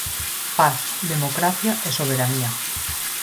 Paz, democracia e soberanía.